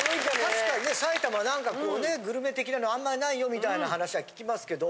確かにね埼玉は何かこうねグルメ的なのあんまりないよみたいな話は聞きますけど。